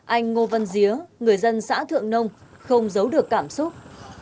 anh ngô văn día người dân xã thượng nông không giấu được cảm xúc